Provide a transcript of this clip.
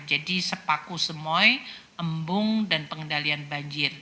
jadi sepaku semoy embung dan pengendalian banjir